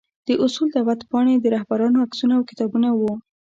د اصول دعوت پاڼې، د رهبرانو عکسونه او کتابونه وو.